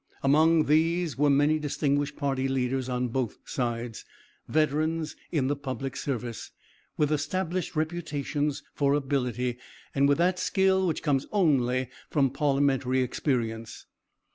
Among these were many distinguished party leaders on both sides, veterans in the public service, with established reputations for ability, and with that skill which comes only from parliamentary experience.